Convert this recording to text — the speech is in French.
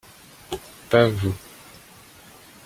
Pas vous.